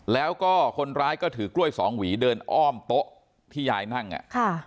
แล้วก็คนร้ายก็ถือกล้วยสองหวีเดินอ้อมโต๊ะที่ยายนั่งอ่ะค่ะ